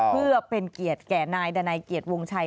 เพื่อเป็นเกียรติแก่นายดานัยเกียรติวงชัย